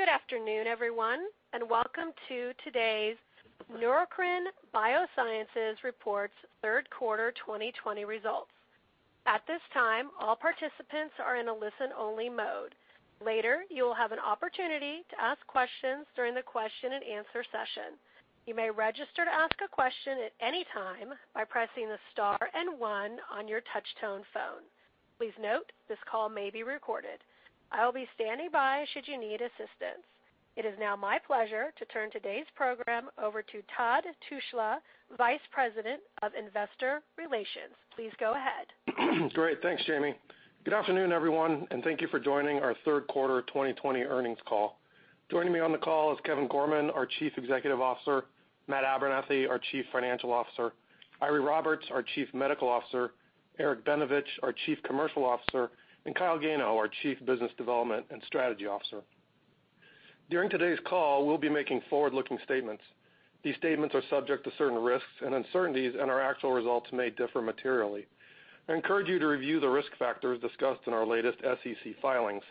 Good afternoon, everyone, and welcome to today's Neurocrine Biosciences Reports Third Quarter 2020 Results. At this time, all participants are in a listen-only mode. Later, you will have an opportunity to ask questions during the question and answer session. You may register to ask a question at any time by pressing star and one on your touchtone phone. Please note, this call may be recorded. I will be standing by should you need assistance. It is now my pleasure to turn today's program over to Todd Tushla, Vice President of Investor Relations. Please go ahead. Great. Thanks, Jamie. Good afternoon, everyone, and thank you for joining our third quarter 2020 earnings call. Joining me on the call is Kevin Gorman, our Chief Executive Officer, Matthew Abernethy, our Chief Financial Officer, Eiry Roberts, our Chief Medical Officer, Eric Benevich, our Chief Commercial Officer, and Kyle Gano, our Chief Business Development and Strategy Officer. During today's call, we'll be making forward-looking statements. These statements are subject to certain risks and uncertainties, and our actual results may differ materially. I encourage you to review the risk factors discussed in our latest SEC filings.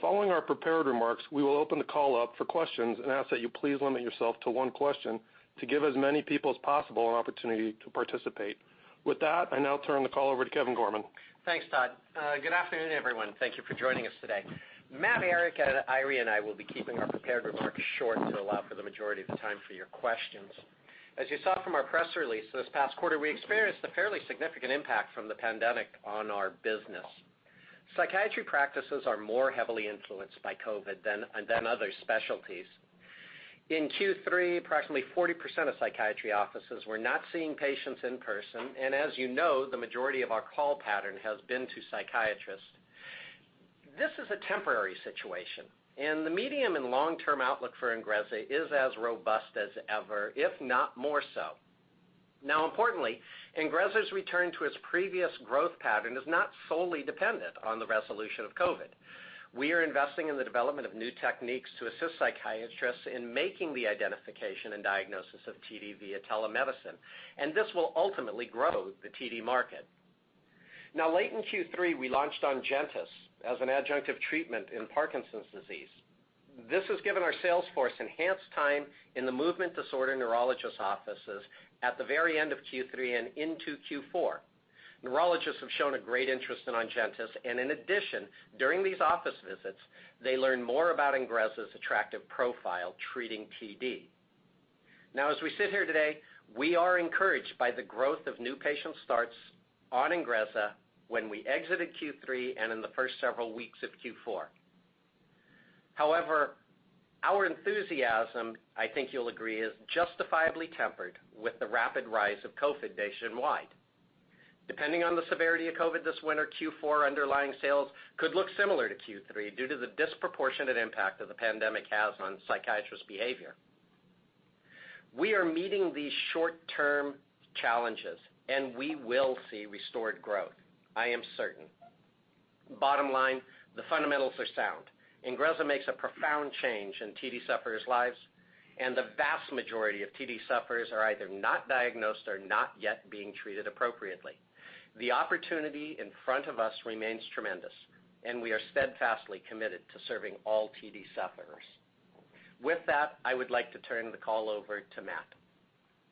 Following our prepared remarks, we will open the call up for questions and ask that you please limit yourself to one question to give as many people as possible an opportunity to participate. With that, I now turn the call over to Kevin Gorman. Thanks, Todd. Good afternoon, everyone. Thank you for joining us today. Matt, Eric, Eiry, and I will be keeping our prepared remarks short to allow for the majority of the time for your questions. As you saw from our press release this past quarter, we experienced a fairly significant impact from the pandemic on our business. psychiatry practices are more heavily influenced by COVID than other specialties. In Q3, approximately 40% of psychiatry offices were not seeing patients in person, and as you know, the majority of our call pattern has been to psychiatrists. This is a temporary situation, and the medium and long-term outlook for INGREZZA is as robust as ever, if not more so. Importantly, INGREZZA's return to its previous growth pattern is not solely dependent on the resolution of COVID. We are investing in the development of new techniques to assist psychiatrists in making the identification and diagnosis of TD via telemedicine. This will ultimately grow the TD market. Now, late in Q3, we launched ONGENTYS as an adjunctive treatment in Parkinson's disease. This has given our sales force enhanced time in the movement disorder neurologist offices at the very end of Q3 and into Q4. Neurologists have shown a great interest in ONGENTYS. In addition, during these office visits, they learn more about INGREZZA's attractive profile treating TD. Now, as we sit here today, we are encouraged by the growth of new patient starts on INGREZZA when we exited Q3 and in the first several weeks of Q4. However, our enthusiasm, I think you'll agree, is justifiably tempered with the rapid rise of COVID nationwide. Depending on the severity of COVID this winter, Q4 underlying sales could look similar to Q3 due to the disproportionate impact that the pandemic has on psychiatrists' behavior. We are meeting these short-term challenges, and we will see restored growth, I am certain. Bottom line, the fundamentals are sound. INGREZZA makes a profound change in TD sufferers' lives, and the vast majority of TD sufferers are either not diagnosed or not yet being treated appropriately. The opportunity in front of us remains tremendous, and we are steadfastly committed to serving all TD sufferers. With that, I would like to turn the call over to Matt.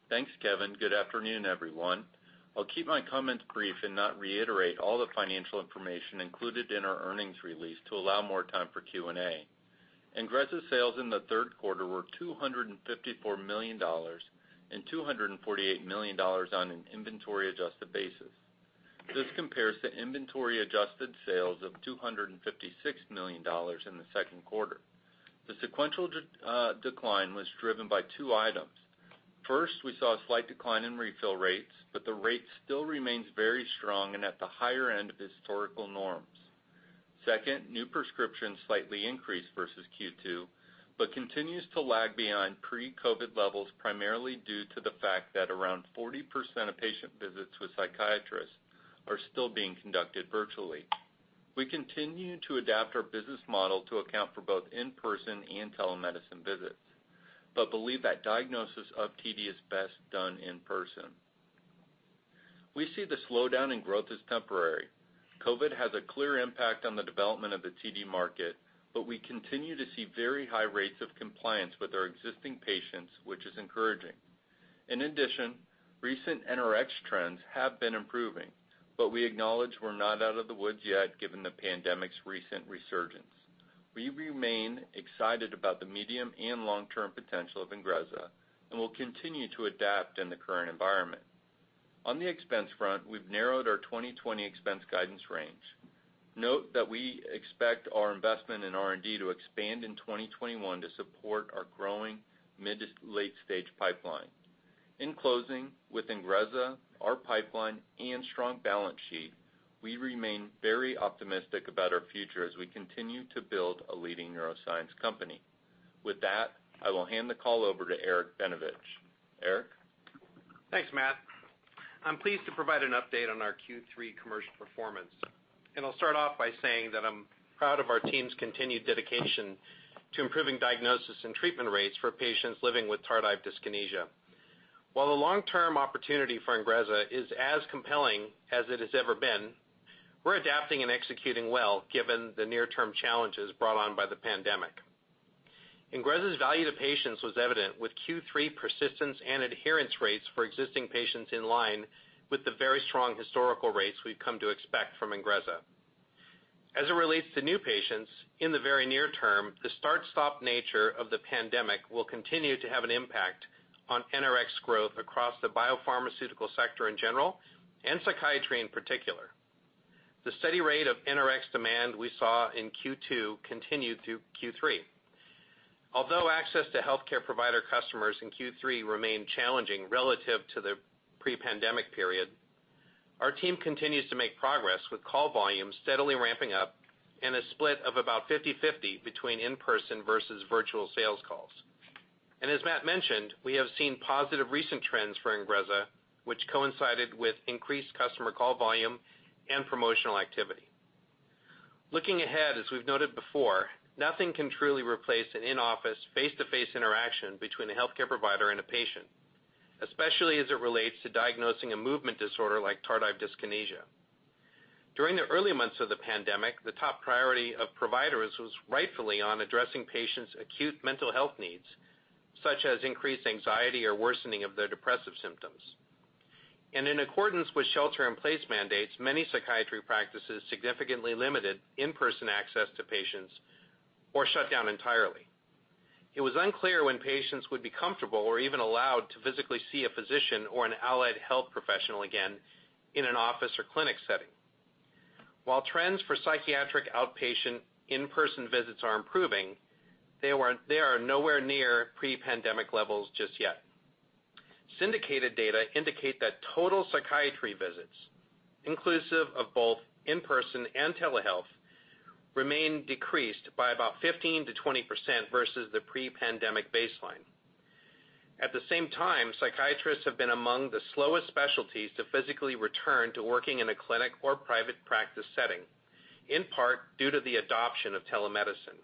Thanks, Kevin. Good afternoon, everyone. I'll keep my comments brief and not reiterate all the financial information included in our earnings release to allow more time for Q&A. INGREZZA sales in the third quarter were $254 million and $248 million on an inventory adjusted basis. This compares to inventory adjusted sales of $256 million in the second quarter. The sequential decline was driven by two items. First, we saw a slight decline in refill rates, but the rate still remains very strong and at the higher end of historical norms. Second, new prescriptions slightly increased versus Q2, but continues to lag behind pre-COVID levels primarily due to the fact that around 40% of patient visits with psychiatrists are still being conducted virtually. We continue to adapt our business model to account for both in-person and telemedicine visits, but believe that diagnosis of TD is best done in person. We see the slowdown in growth as temporary. COVID has a clear impact on the development of the TD market, but we continue to see very high rates of compliance with our existing patients, which is encouraging. In addition, recent NRX trends have been improving, but we acknowledge we're not out of the woods yet given the pandemic's recent resurgence. We remain excited about the medium and long-term potential of INGREZZA, and will continue to adapt in the current environment. On the expense front, we've narrowed our 2020 expense guidance range. Note that we expect our investment in R&D to expand in 2021 to support our growing mid to late-stage pipeline. In closing, with INGREZZA, our pipeline, and strong balance sheet, we remain very optimistic about our future as we continue to build a leading neuroscience company. With that, I will hand the call over to Eric Benevich. Eric? Thanks, Matt. I'm pleased to provide an update on our Q3 commercial performance, and I'll start off by saying that I'm proud of our team's continued dedication to improving diagnosis and treatment rates for patients living with tardive dyskinesia. While the long-term opportunity for INGREZZA is as compelling as it has ever been, we're adapting and executing well given the near-term challenges brought on by the pandemic. INGREZZA's value to patients was evident with Q3 persistence and adherence rates for existing patients in line with the very strong historical rates we've come to expect from INGREZZA. As it relates to new patients, in the very near term, the start-stop nature of the pandemic will continue to have an impact on NRX growth across the biopharmaceutical sector in general, and psychiatry in particular. The steady rate of NRX demand we saw in Q2 continued through Q3. Although access to healthcare provider customers in Q3 remained challenging relative to the pre-pandemic period, our team continues to make progress with call volumes steadily ramping up and a split of about 50/50 between in-person versus virtual sales calls. As Matt mentioned, we have seen positive recent trends for INGREZZA, which coincided with increased customer call volume and promotional activity. Looking ahead, as we've noted before, nothing can truly replace an in-office, face-to-face interaction between a healthcare provider and a patient, especially as it relates to diagnosing a movement disorder like tardive dyskinesia. During the early months of the pandemic, the top priority of providers was rightfully on addressing patients' acute mental health needs, such as increased anxiety or worsening of their depressive symptoms. In accordance with shelter-in-place mandates, many psychiatry practices significantly limited in-person access to patients or shut down entirely. It was unclear when patients would be comfortable or even allowed to physically see a physician or an allied health professional again in an office or clinic setting. While trends for psychiatric outpatient in-person visits are improving, they are nowhere near pre-pandemic levels just yet. Syndicated data indicate that total psychiatry visits, inclusive of both in-person and telehealth, remain decreased by about 15%-20% versus the pre-pandemic baseline. At the same time, psychiatrists have been among the slowest specialties to physically return to working in a clinic or private practice setting, in part due to the adoption of telemedicine.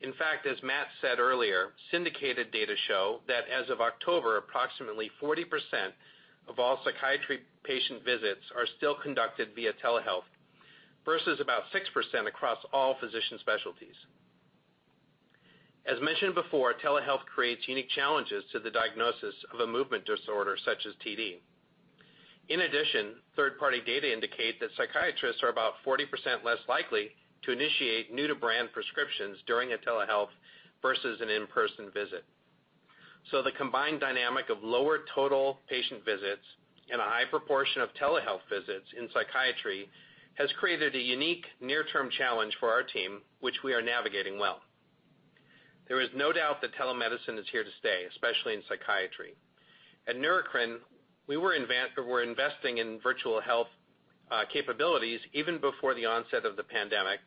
In fact, as Matt said earlier, syndicated data show that as of October, approximately 40% of all psychiatry patient visits are still conducted via telehealth versus about 6% across all physician specialties. As mentioned before, telehealth creates unique challenges to the diagnosis of a movement disorder such as TD. In addition, third-party data indicate that psychiatrists are about 40% less likely to initiate new-to-brand prescriptions during a telehealth versus an in-person visit. The combined dynamic of lower total patient visits and a high proportion of telehealth visits in psychiatry has created a unique near-term challenge for our team, which we are navigating well. There is no doubt that telemedicine is here to stay, especially in psychiatry. At Neurocrine, we were investing in virtual health capabilities even before the onset of the pandemic,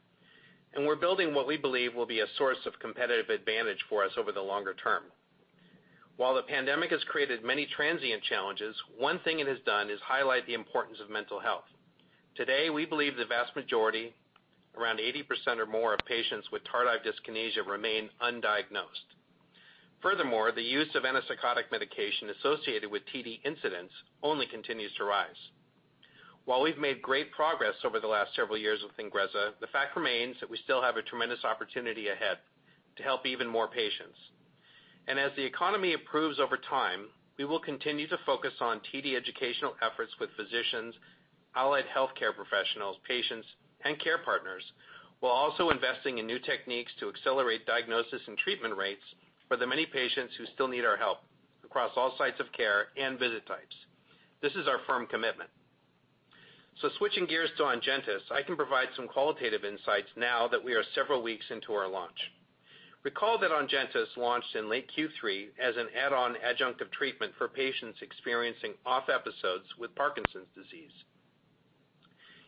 and we're building what we believe will be a source of competitive advantage for us over the longer term. While the pandemic has created many transient challenges, one thing it has done is highlight the importance of mental health. Today, we believe the vast majority, around 80% or more of patients with tardive dyskinesia remain undiagnosed. Furthermore, the use of antipsychotic medication associated with TD incidents only continues to rise. While we've made great progress over the last several years with INGREZZA, the fact remains that we still have a tremendous opportunity ahead to help even more patients. As the economy improves over time, we will continue to focus on TD educational efforts with physicians, allied healthcare professionals, patients, and care partners, while also investing in new techniques to accelerate diagnosis and treatment rates for the many patients who still need our help across all sites of care and visit types. This is our firm commitment. Switching gears to ONGENTYS, I can provide some qualitative insights now that we are several weeks into our launch. Recall that ONGENTYS launched in late Q3 as an add-on adjunctive treatment for patients experiencing OFF episodes with Parkinson's disease.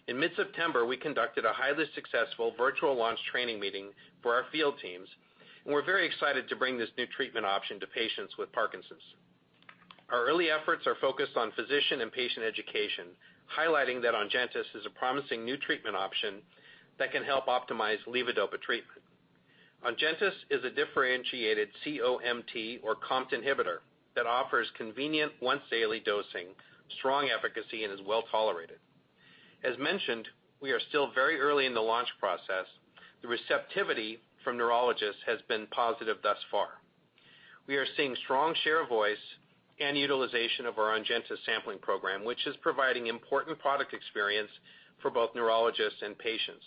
In mid-September, we conducted a highly successful virtual launch training meeting for our field teams, and we're very excited to bring this new treatment option to patients with Parkinson's. Our early efforts are focused on physician and patient education, highlighting that ONGENTYS is a promising new treatment option that can help optimize levodopa treatment. ONGENTYS is a differentiated C-O-M-T or COMT inhibitor that offers convenient once-daily dosing, strong efficacy, and is well-tolerated. As mentioned, we are still very early in the launch process. The receptivity from neurologists has been positive thus far. We are seeing strong share of voice and utilization of our ONGENTYS sampling program, which is providing important product experience for both neurologists and patients.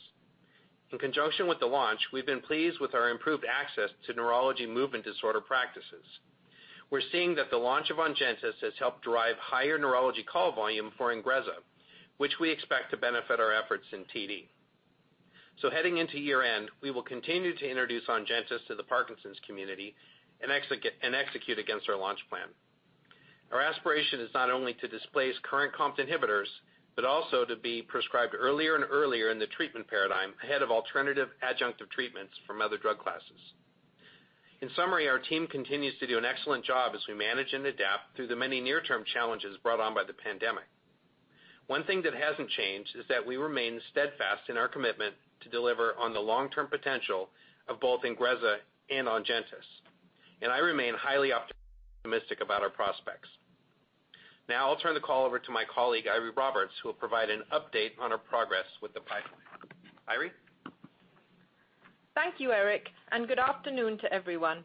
In conjunction with the launch, we've been pleased with our improved access to neurology movement disorder practices. We're seeing that the launch of ONGENTYS has helped drive higher neurology call volume for INGREZZA, which we expect to benefit our efforts in TD. Heading into year-end, we will continue to introduce ONGENTYS to the Parkinson's community and execute against our launch plan. Our aspiration is not only to displace current COMT inhibitors, but also to be prescribed earlier and earlier in the treatment paradigm ahead of alternative adjunctive treatments from other drug classes. In summary, our team continues to do an excellent job as we manage and adapt through the many near-term challenges brought on by the pandemic. One thing that hasn't changed is that we remain steadfast in our commitment to deliver on the long-term potential of both INGREZZA and ONGENTYS, and I remain highly optimistic about our prospects. Now I'll turn the call over to my colleague, Eiry Roberts, who will provide an update on our progress with the pipeline. Eiry? Thank you, Eric. Good afternoon to everyone.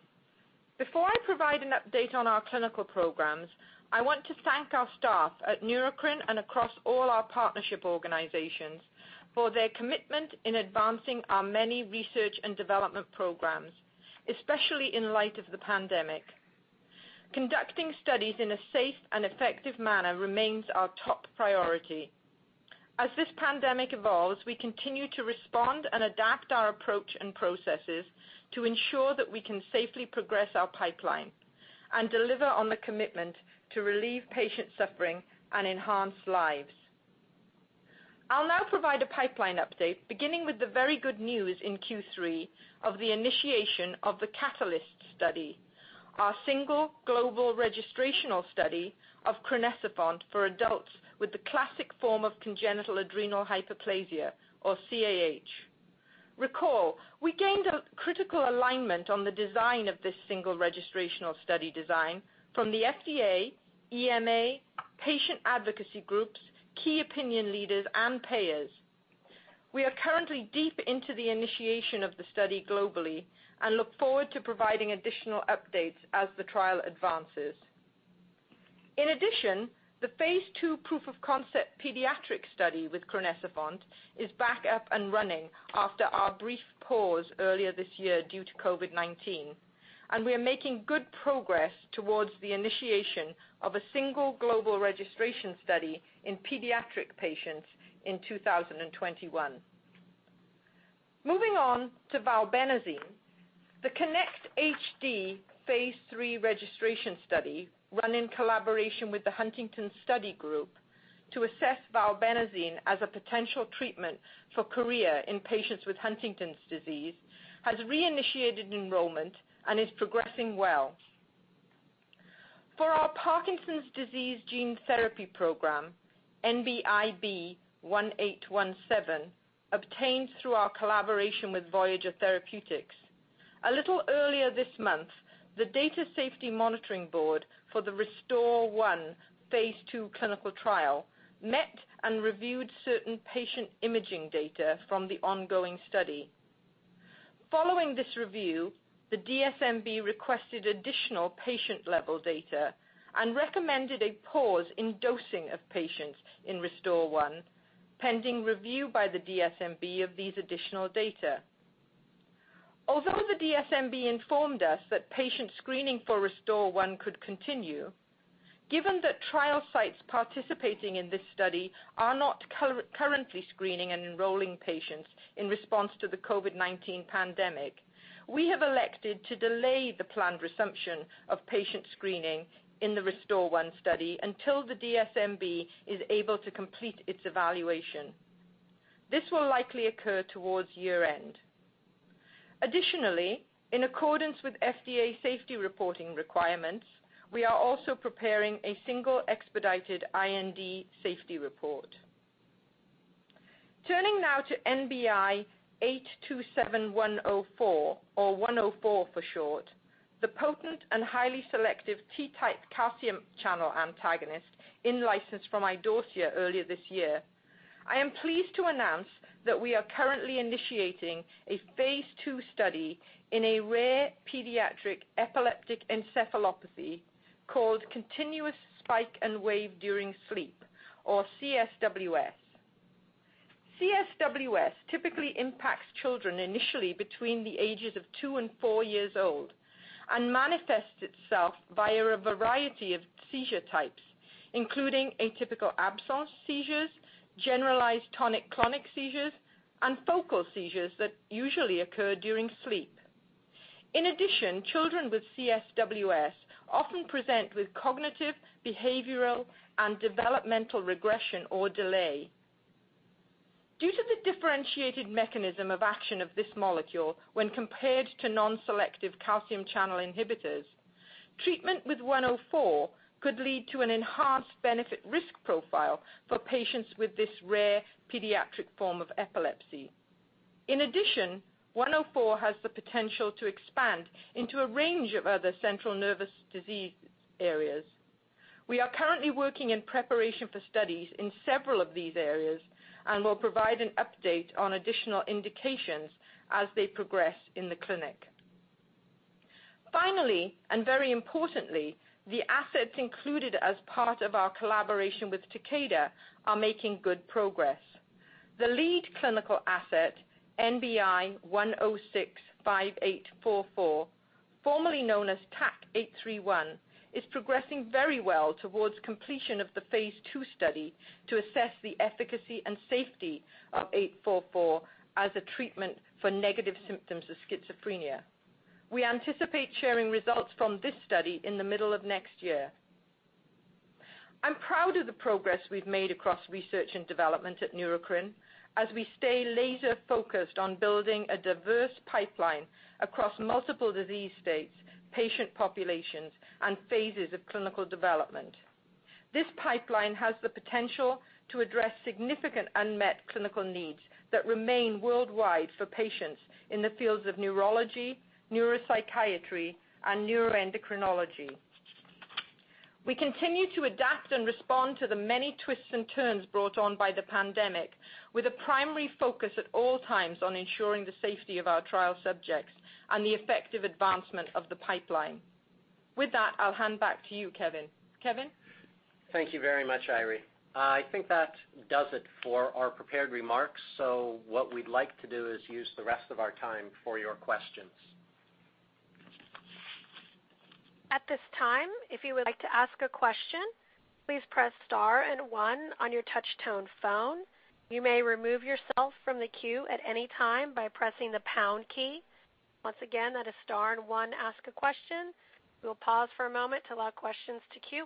Before I provide an update on our clinical programs, I want to thank our staff at Neurocrine and across all our partnership organizations for their commitment in advancing our many research and development programs, especially in light of the pandemic. Conducting studies in a safe and effective manner remains our top priority. As this pandemic evolves, we continue to respond and adapt our approach and processes to ensure that we can safely progress our pipeline and deliver on the commitment to relieve patient suffering and enhance lives. I'll now provide a pipeline update, beginning with the very good news in Q3 of the initiation of the CATALYST study, our single global registrational study of crinecerfont for adults with the classic form of congenital adrenal hyperplasia, or CAH. Recall, we gained a critical alignment on the design of this single registrational study design from the FDA, EMA, patient advocacy groups, key opinion leaders, and payers. We are currently deep into the initiation of the study globally and look forward to providing additional updates as the trial advances. In addition, the phase II proof of concept pediatric study with crinecerfont is back up and running after our brief pause earlier this year due to COVID-19. We are making good progress towards the initiation of a single global registration study in pediatric patients in 2021. Moving on to valbenazine. The KINECT-HD phase III registration study, run in collaboration with the Huntington Study Group to assess valbenazine as a potential treatment for chorea in patients with Huntington's disease, has reinitiated enrollment and is progressing well. For our Parkinson's disease gene therapy program, NBIb-1817, obtained through our collaboration with Voyager Therapeutics. A little earlier this month, the Data Safety Monitoring Board for the RESTORE-1 phase II clinical trial met and reviewed certain patient imaging data from the ongoing study. Following this review, the DSMB requested additional patient-level data and recommended a pause in dosing of patients in RESTORE-1, pending review by the DSMB of these additional data. Although the DSMB informed us that patient screening for RESTORE-1 could continue, given that trial sites participating in this study are not currently screening and enrolling patients in response to the COVID-19 pandemic, we have elected to delay the planned resumption of patient screening in the RESTORE-1 study until the DSMB is able to complete its evaluation. This will likely occur towards year-end. Additionally, in accordance with FDA safety reporting requirements, we are also preparing a single expedited IND safety report. Turning now to NBI-827104, or 104 for short, the potent and highly selective T-type calcium channel antagonist in-licensed from Idorsia earlier this year. I am pleased to announce that we are currently initiating a phase II study in a rare pediatric epileptic encephalopathy called continuous spike and wave during sleep, or CSWS. CSWS typically impacts children initially between the ages of two and four years old and manifests itself via a variety of seizure types, including atypical absence seizures, generalized tonic-clonic seizures, and focal seizures that usually occur during sleep. In addition, children with CSWS often present with cognitive, behavioral, and developmental regression or delay. Due to the differentiated mechanism of action of this molecule when compared to non-selective calcium channel inhibitors, treatment with 104 could lead to an enhanced benefit-risk profile for patients with this rare pediatric form of epilepsy. In addition, 104 has the potential to expand into a range of other central nervous disease areas. We are currently working in preparation for studies in several of these areas and will provide an update on additional indications as they progress in the clinic. Finally, very importantly, the assets included as part of our collaboration with Takeda are making good progress. The lead clinical asset, NBI-1065844, formerly known as TAK-831, is progressing very well towards completion of the phase II study to assess the efficacy and safety of 844 as a treatment for negative symptoms of schizophrenia. We anticipate sharing results from this study in the middle of next year. I'm proud of the progress we've made across research and development at Neurocrine as we stay laser-focused on building a diverse pipeline across multiple disease states, patient populations, and phases of clinical development. This pipeline has the potential to address significant unmet clinical needs that remain worldwide for patients in the fields of neurology, neuropsychiatry, and neuroendocrinology. We continue to adapt and respond to the many twists and turns brought on by the pandemic, with a primary focus at all times on ensuring the safety of our trial subjects and the effective advancement of the pipeline. With that, I'll hand back to you, Kevin. Kevin? Thank you very much, Eiry. I think that does it for our prepared remarks. What we'd like to do is use the rest of our time for your questions. At this time, if you would like to ask a question, please press star and 1 on your touchtone phone. You may remove yourself from the queue at any time by pressing the pound key. Once again, that is star and one to ask a question. We will pause for a moment to allow questions to queue.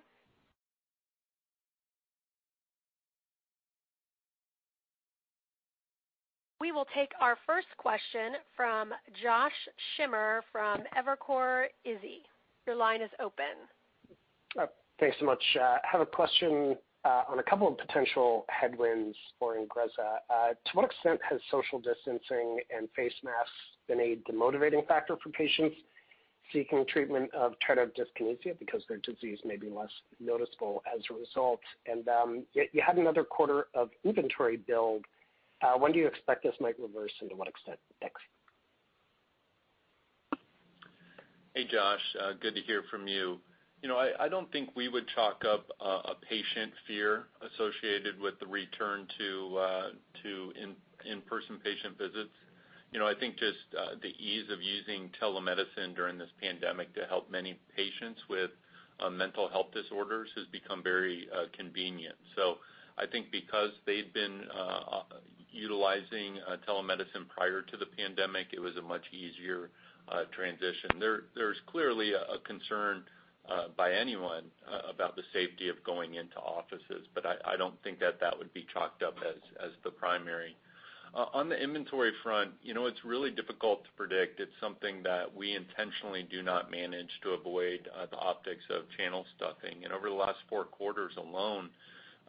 We will take our first question from Joshua Schimmer from Evercore ISI. Your line is open. Thanks so much. I have a question on a couple of potential headwinds for INGREZZA. To what extent has social distancing and face masks been a demotivating factor for patients seeking treatment of tardive dyskinesia because their disease may be less noticeable as a result? You had another quarter of inventory build. When do you expect this might reverse, and to what extent? Thanks. Hey, Josh. Good to hear from you. I don't think we would chalk up a patient fear associated with the return to in-person patient visits. I think just the ease of using telemedicine during this pandemic to help many patients with mental health disorders has become very convenient. I think because they'd been utilizing telemedicine prior to the pandemic, it was a much easier transition. There's clearly a concern by anyone about the safety of going into offices, but I don't think that that would be chalked up as the primary. On the inventory front, it's really difficult to predict. It's something that we intentionally do not manage to avoid the optics of channel stuffing. Over the last four quarters alone,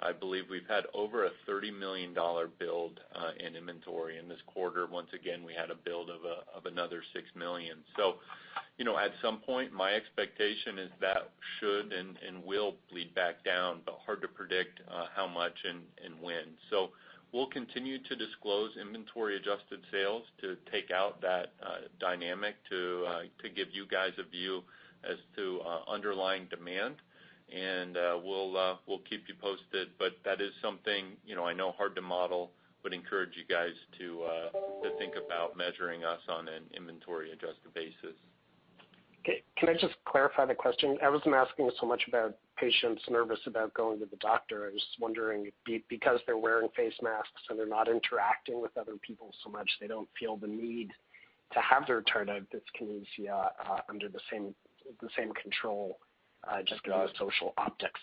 I believe we've had over a $30 million build in inventory. In this quarter, once again, we had a build of another $6 million. At some point, my expectation is that should and will bleed back down, but hard to predict how much and when. We'll continue to disclose inventory-adjusted sales to take out that dynamic to give you guys a view as to underlying demand. We'll keep you posted, but that is something I know hard to model, would encourage you guys to think about measuring us on an inventory-adjusted basis. Okay. Can I just clarify the question? I wasn't asking so much about patients nervous about going to the doctor. I was just wondering because they're wearing face masks and they're not interacting with other people so much, they don't feel the need to have their tardive dyskinesia under the same control just because of social optics.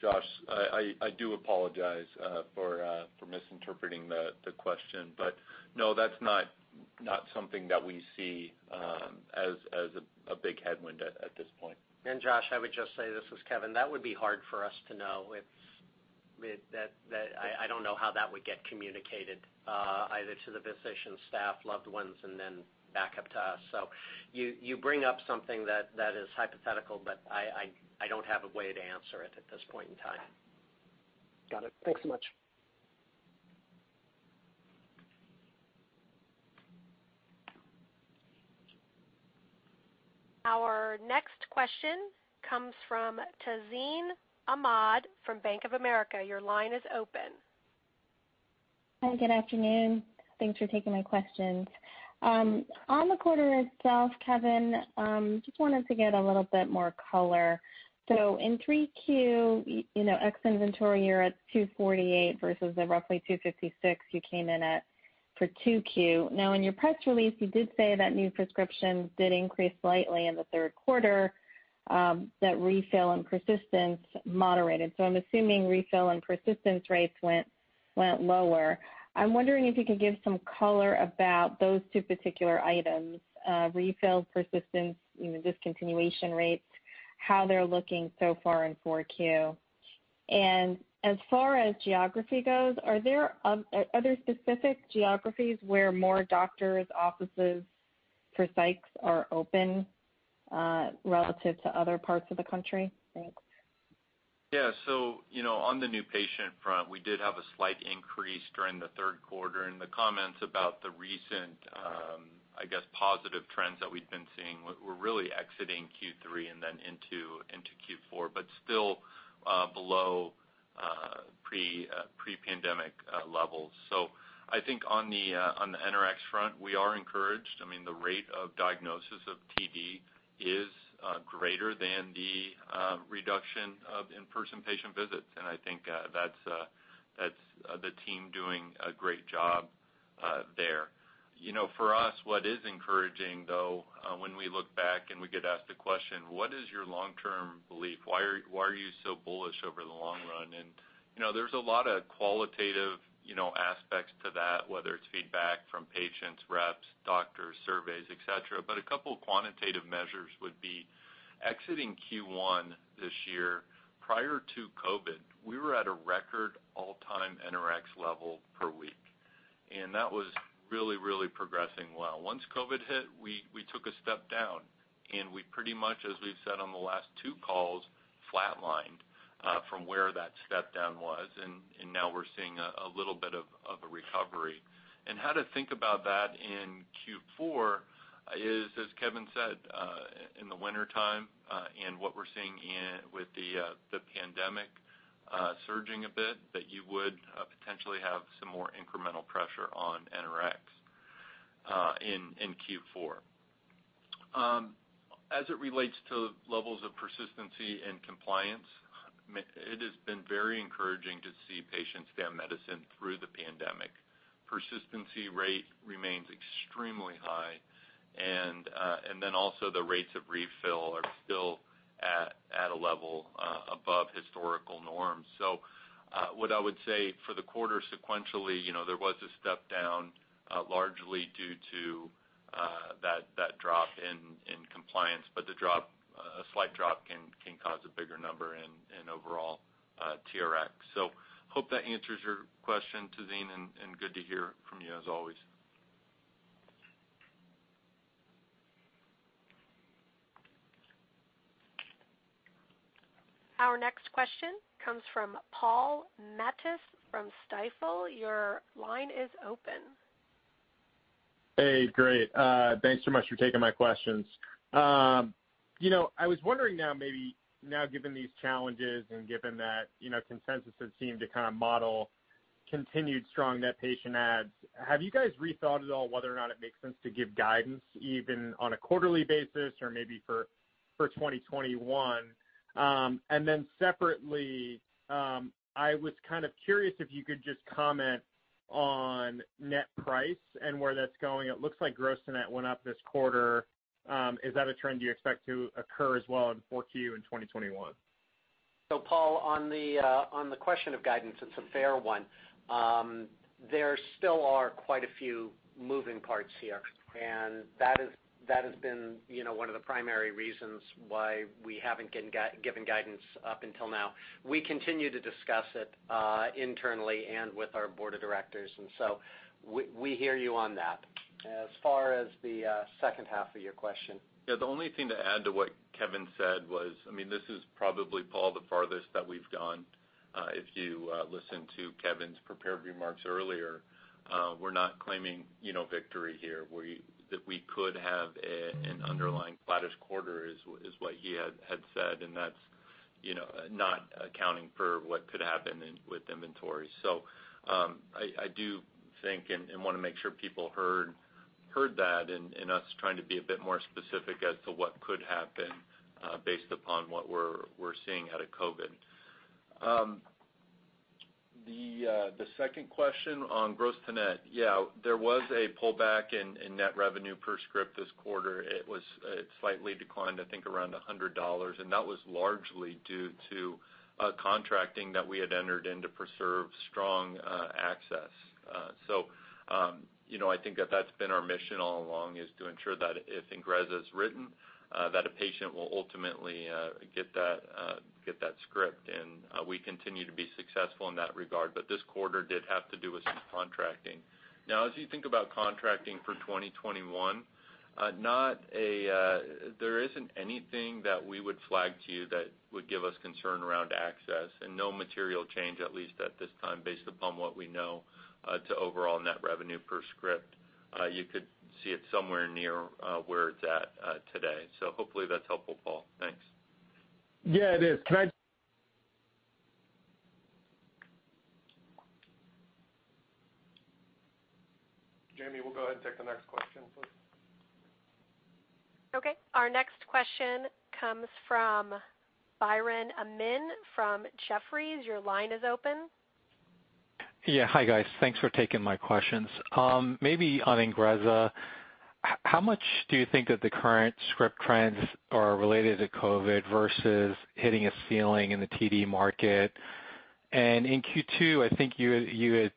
Josh, I do apologize for misinterpreting the question, but no, that's not something that we see as a big headwind at this point. Josh, I would just say, this is Kevin, that would be hard for us to know. I don't know how that would get communicated either to the physician, staff, loved ones, and then back up to us. You bring up something that is hypothetical, but I don't have a way to answer it at this point in time. Got it. Thanks so much. Our next question comes from Tazeen Ahmad from Bank of America. Your line is open. Hi, good afternoon. Thanks for taking my questions. On the quarter itself, Kevin, just wanted to get a little bit more color. In Q3, ex inventory, you're at $248 versus the roughly $256 you came in at for Q2. In your press release, you did say that new prescriptions did increase slightly in the third quarter, that refill and persistence moderated. I'm assuming refill and persistence rates went lower. I'm wondering if you could give some color about those two particular items, refills, persistence, discontinuation rates, how they're looking so far in Q4. As far as geography goes, are there other specific geographies where more doctors' offices for psychs are open relative to other parts of the country? Thanks. Yeah. On the new patient front, we did have a slight increase during the third quarter. The comments about the recent, I guess, positive trends that we've been seeing were really exiting Q3 and then into Q4, but still below pre-pandemic levels. I think on the NRX front, we are encouraged. The rate of diagnosis of TD is greater than the reduction of in-person patient visits, and I think that's the team doing a great job there. For us, what is encouraging though, when we look back and we get asked the question, "What is your long-term belief? Why are you so bullish over the long term?"There's a lot of qualitative aspects to that, whether it's feedback from patients, reps, doctors, surveys, et cetera. A couple quantitative measures would be exiting Q1 this year, prior to COVID, we were at a record all-time NRx level per week, and that was really progressing well. Once COVID hit, we took a step down, and we pretty much, as we've said on the last two calls, flat-lined from where that step-down was, and now we're seeing a little bit of a recovery. How to think about that in Q4 is, as Kevin said, in the wintertime, and what we're seeing with the pandemic surging a bit, that you would potentially have some more incremental pressure on NRx in Q4. As it relates to levels of persistency and compliance, it has been very encouraging to see patients stay on medicine through the pandemic. Persistency rate remains extremely high, and then also the rates of refill are still at a level above historical norms. What I would say for the quarter sequentially, there was a step-down largely due to that drop in compliance. A slight drop can cause a bigger number in overall TRx. Hope that answers your question, Tazeen, and good to hear from you as always. Our next question comes from Paul Matteis from Stifel. Your line is open. Hey, great. Thanks so much for taking my questions. I was wondering now maybe now given these challenges and given that consensus has seemed to kind of model continued strong net patient adds, have you guys re-thought at all whether or not it makes sense to give guidance even on a quarterly basis or maybe for 2021? Separately, I was kind of curious if you could just comment on net price and where that's going. It looks like gross to net went up this quarter. Is that a trend you expect to occur as well in 4Q in 2021? Paul, on the question of guidance, it's a fair one. There still are quite a few moving parts here, and that has been one of the primary reasons why we haven't given guidance up until now. We continue to discuss it internally and with our Board of Directors, we hear you on that. Yeah, the only thing to add to what Kevin said was, this is probably, Paul, the farthest that we've gone. If you listen to Kevin's prepared remarks earlier, we're not claiming victory here. That we could have an underlying flattish quarter is what he had said, that's not accounting for what could happen with inventory. I do think and want to make sure people heard that and us trying to be a bit more specific as to what could happen based upon what we're seeing out of COVID. The second question on gross to net. Yeah, there was a pullback in net revenue per script this quarter. It slightly declined, I think around $100, that was largely due to a contracting that we had entered in to preserve strong access. I think that that's been our mission all along is to ensure that if INGREZZA is written, that a patient will ultimately get that script, and we continue to be successful in that regard. This quarter did have to do with some contracting. As you think about contracting for 2021, there isn't anything that we would flag to you that would give us concern around access and no material change, at least at this time, based upon what we know to overall net revenue per script. You could see it somewhere near where it's at today. Hopefully that's helpful, Paul. Thanks. Yeah, it is. Jamie, we'll go ahead and take the next question, please. Okay. Our next question comes from Biren Amin from Jefferies. Your line is open. Yeah. Hi, guys. Thanks for taking my questions. Maybe on INGREZZA, how much do you think that the current script trends are related to COVID versus hitting a ceiling in the TD market? In Q2, I think you had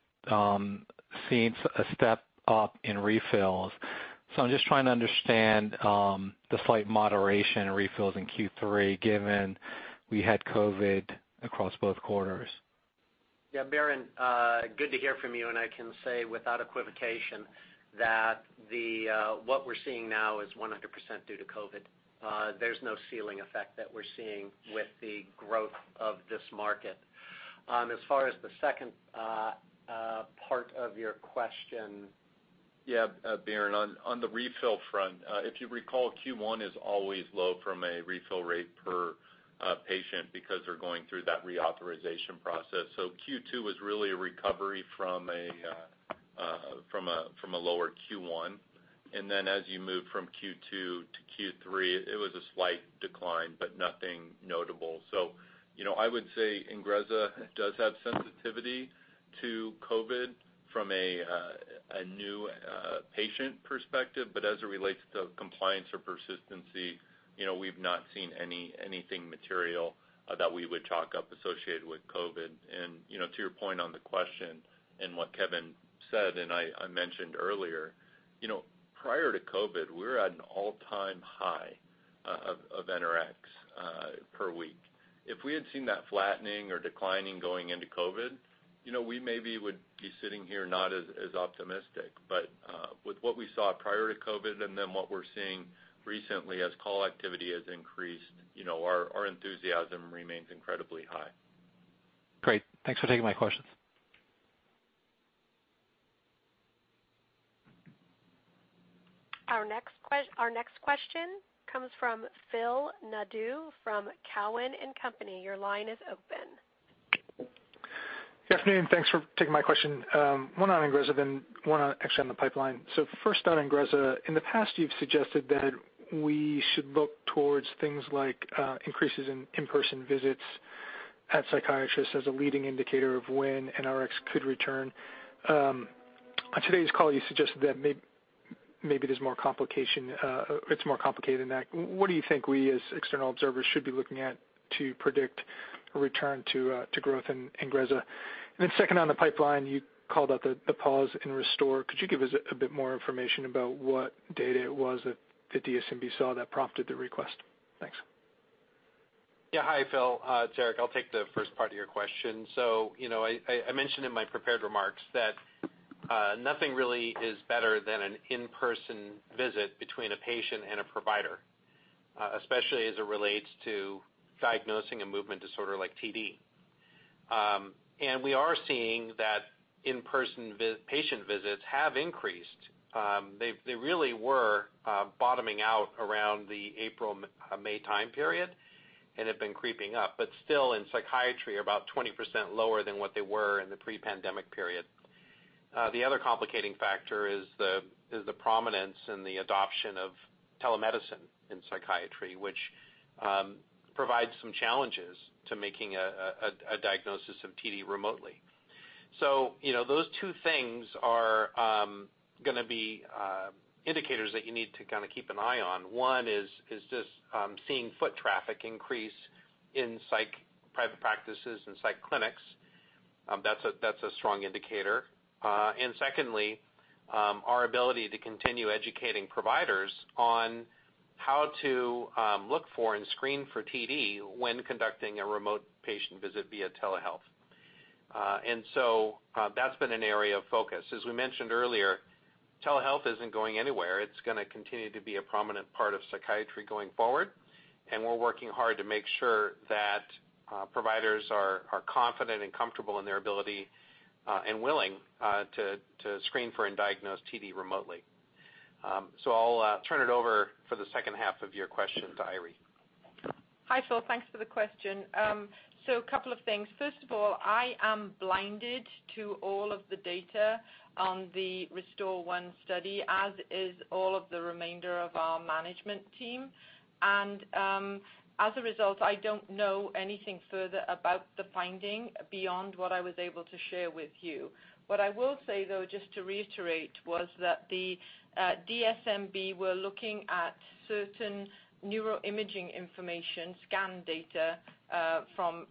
seen a step-up in refills. I'm just trying to understand the slight moderation in refills in Q3, given we had COVID across both quarters. Yeah, Biren, good to hear from you. I can say without equivocation that what we're seeing now is 100% due to COVID. There's no ceiling effect that we're seeing with the growth of this market. As far as the second part of your question. Yeah. Biren, on the refill front, if you recall, Q1 is always low from a refill rate per patient because they're going through that reauthorization process. Q2 was really a recovery from a lower Q1. As you move from Q2-Q3, it was a slight decline, but nothing notable. I would say INGREZZA does have sensitivity To COVID from a new patient perspective, but as it relates to compliance or persistency, we've not seen anything material that we would chalk up associated with COVID. To your point on the question and what Kevin said, and I mentioned earlier, prior to COVID, we were at an all-time high of NRx per week. If we had seen that flattening or declining going into COVID, we maybe would be sitting here not as optimistic. With what we saw prior to COVID and then what we're seeing recently as call activity has increased, our enthusiasm remains incredibly high. Great. Thanks for taking my questions. Our next question comes from Phil Nadeau from Cowen & Company. Your line is open. Good afternoon. Thanks for taking my question. One on INGREZZA, then one on, actually, on the pipeline. First on INGREZZA. In the past, you've suggested that we should look towards things like increases in in-person visits at psychiatrists as a leading indicator of when NRx could return. On today's call, you suggested that maybe it's more complicated than that. What do you think we as external observers should be looking at to predict a return to growth in INGREZZA? Second on the pipeline, you called out the pause in RESTORE. Could you give us a bit more information about what data it was that DSMB saw that prompted the request? Thanks. Yeah. Hi, Phil. It's Eric. I'll take the first part of your question. I mentioned in my prepared remarks that nothing really is better than an in-person visit between a patient and a provider, especially as it relates to diagnosing a movement disorder like TD. We are seeing that in-person patient visits have increased. They really were bottoming out around the April/May time period and have been creeping up, but still in psychiatry are about 20% lower than what they were in the pre-pandemic period. The other complicating factor is the prominence and the adoption of telemedicine in psychiatry, which provides some challenges to making a diagnosis of TD remotely. Those two things are going to be indicators that you need to keep an eye on. One is just seeing foot traffic increase in psych private practices and psych clinics. That's a strong indicator. Secondly, our ability to continue educating providers on how to look for and screen for TD when conducting a remote patient visit via telehealth. That's been an area of focus. As we mentioned earlier, telehealth isn't going anywhere. It's going to continue to be a prominent part of psychiatry going forward, and we're working hard to make sure that providers are confident and comfortable in their ability and willing to screen for and diagnose TD remotely. I'll turn it over for the second half of your question to Eiry. Hi, Phil. Thanks for the question. A couple of things. First of all, I am blinded to all of the data on the RESTORE-1 study, as is all of the remainder of our management team. As a result, I don't know anything further about the finding beyond what I was able to share with you. What I will say, though, just to reiterate, was that the DSMB were looking at certain neuroimaging information scan data from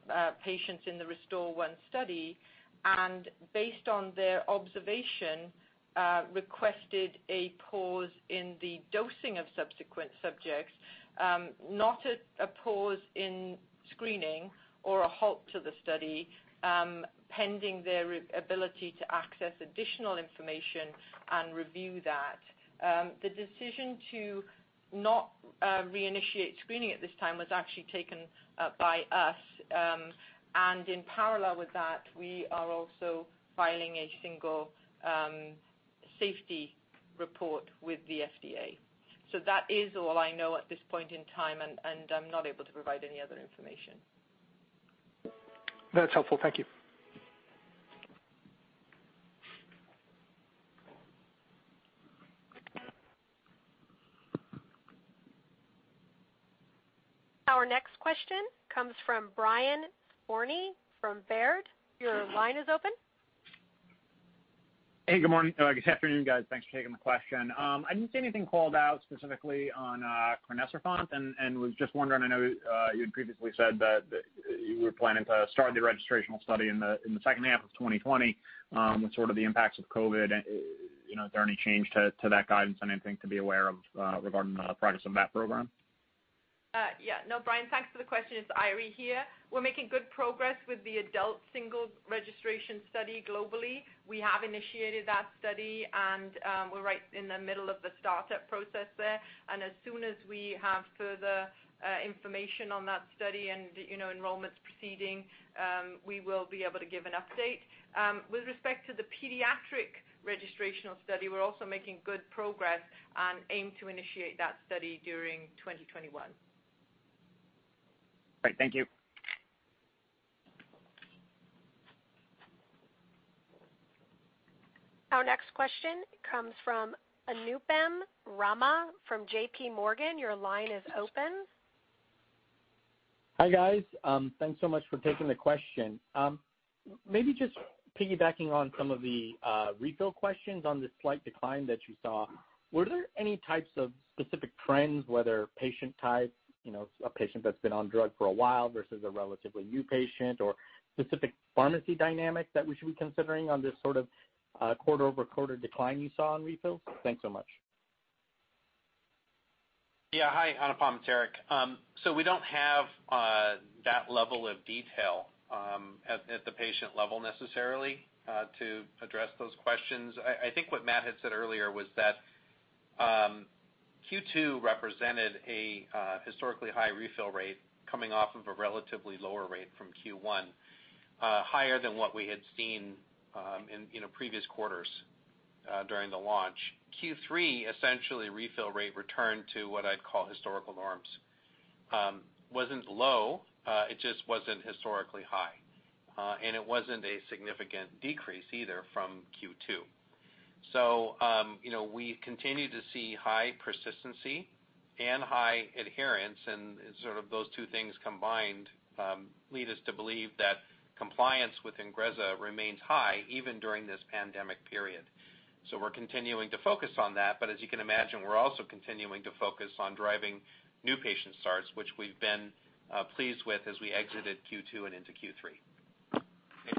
patients in the RESTORE-1 study and based on their observation, requested a pause in the dosing of subsequent subjects, not a pause in screening or a halt to the study pending their ability to access additional information and review that. The decision to not reinitiate screening at this time was actually taken by us. In parallel with that, we are also filing a single safety report with the FDA. That is all I know at this point in time, and I'm not able to provide any other information. That's helpful. Thank you. Our next question comes from Brian Skorney from Baird. Your line is open. Hey, good morning. Good afternoon, guys. Thanks for taking the question. I didn't see anything called out specifically on crinecerfont and was just wondering, I know you had previously said that you were planning to start the registrational study in the second half of 2020. With sort of the impacts of COVID, is there any change to that guidance? Anything to be aware of regarding the progress of that program? No, Brian, thanks for the question. It's Eiry here. We're making good progress with the adult single registration study globally. We have initiated that study, we're right in the middle of the startup process there. As soon as we have further information on that study and enrollments proceeding, we will be able to give an update. With respect to the pediatric registrational study, we're also making good progress and aim to initiate that study during 2021. Great. Thank you. Our next question comes from Anupam Rama from JPMorgan. Your line is open. Hi, guys. Thanks so much for taking the question. Maybe just piggybacking on some of the refill questions on the slight decline that you saw, were there any types of specific trends, whether patient types, a patient that's been on drug for a while versus a relatively new patient or specific pharmacy dynamics that we should be considering on this sort of quarter-over-quarter decline you saw in refills? Thanks so much. Yeah. Hi, Anupam. It's Eric. We don't have that level of detail at the patient level necessarily to address those questions. I think what Matt had said earlier was that Q2 represented a historically high refill rate coming off of a relatively lower rate from Q1, higher than what we had seen in previous quarters during the launch. Q3, essentially refill rate returned to what I'd call historical norms. Wasn't low, it just wasn't historically high. It wasn't a significant decrease either from Q2. We continue to see high persistency and high adherence, and sort of those two things combined lead us to believe that compliance with INGREZZA remains high even during this pandemic period. We're continuing to focus on that, but as you can imagine, we're also continuing to focus on driving new patient starts, which we've been pleased with as we exited Q2 and into Q3. Hey,